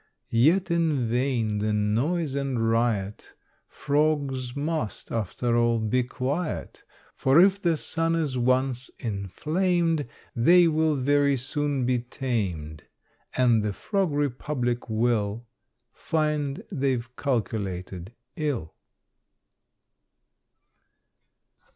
Yet in vain the noise and riot, Frogs must, after all, be quiet; For, if the sun is once inflamed, They will very soon be tamed, And the Frog Republic will Find they've calculated ill. FABLE CCXL.